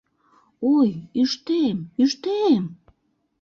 Ой, ӱштеем-ӱштеем